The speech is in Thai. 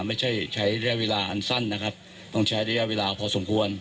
ไม่ใช่ใช้ระยะเวลาอันสั้นนะครับต้องใช้ระยะเวลาพอสมควร